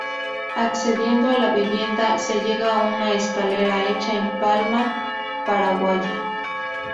Accediendo a la vivienda, se llega a una escalera hecha en palma paraguaya.